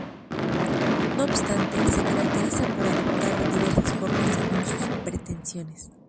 No obstante, se caracteriza por adoptar diversas formas según sus pretensiones.